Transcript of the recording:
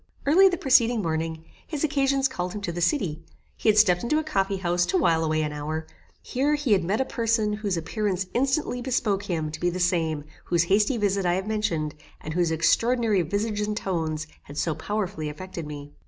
Early the preceding morning, his occasions called him to the city; he had stepped into a coffee house to while away an hour; here he had met a person whose appearance instantly bespoke him to be the same whose hasty visit I have mentioned, and whose extraordinary visage and tones had so powerfully affected me.